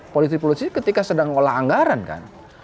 politik politisik ketika sedang mengolah anggaran kan